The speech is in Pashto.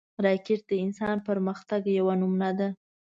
راکټ د انسان پرمختګ یوه نمونه ده